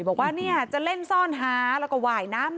บอกว่าเนี่ยจะเล่นซ่อนหาแล้วก็หว่ายน้ำ